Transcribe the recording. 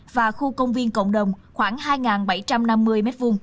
và khu công viên cộng đồng khoảng hai bảy trăm năm mươi m hai